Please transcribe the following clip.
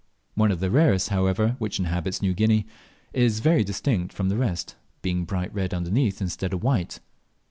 One of the rarest, however, which inhabits New Guinea, is very distinct from the rest, being bright red beneath instead of white.